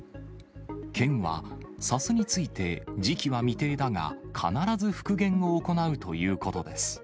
県は、砂州について時期は未定だが、必ず復元を行うということです。